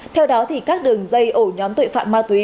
theo đó các đường dây ổ nhóm tội phạm ma túy